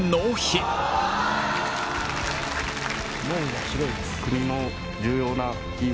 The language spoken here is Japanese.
門は広いです。